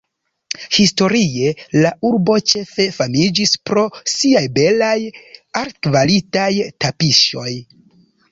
Historie, la urbo ĉefe famiĝis pro siaj belaj, altkvalitaj tapiŝoj.